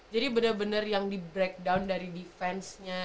jadi bener bener yang di breakdown dari defense nya